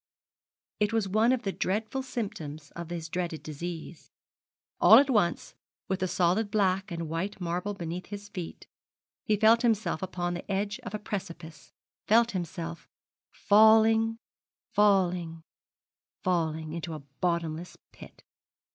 It was one of the dreadful symptoms of his dreadful disease. All at once, with the solid black and white marble beneath his feet, he felt himself upon the edge of a precipice, felt himself falling, falling, falling, into a bottomless pit.